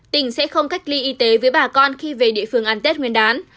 tỉnh sẽ không cách ly y tế với bà con khi về địa phương ăn tết nguyên đán